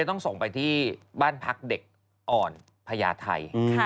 ต้องส่งไปที่บ้านพักเด็กอ่อนพญาไทย